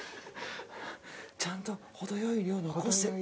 ・ちゃんと程よい量残して。